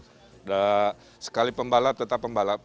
tidak sekali pembalap tetap pembalap